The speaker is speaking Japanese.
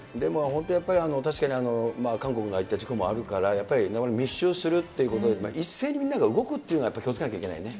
本当にやっぱり、確かに韓国のああいった事故もあるから、密集するという、一斉にみんなが動くっていうのは気をつけなきゃいけないね。